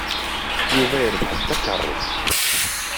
Yuba yerbeḥ-d takeṛṛust.